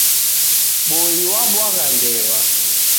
Boi wabwagha mbew'a.